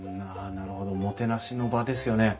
なるほどもてなしの場ですよね。